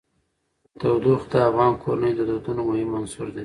تودوخه د افغان کورنیو د دودونو مهم عنصر دی.